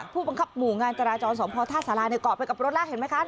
ผู้บังคับหมู่งานจราจรสมพอท่าสาราเกาะไปกับรถแล้วเห็นไหมคะ